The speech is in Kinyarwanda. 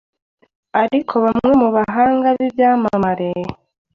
ariko bamwe mu bahanga bibyamamare